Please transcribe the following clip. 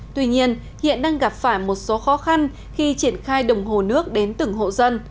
tuy nhiên hiện đang gặp phải một số khó khăn khi triển khai đồng hồ nước đến từng hộ dân